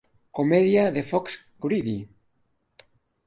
Comèdia de Fox "Greedy".